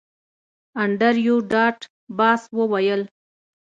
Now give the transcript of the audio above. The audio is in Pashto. انډریو ډاټ باس وویل